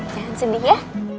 jangan sedih ya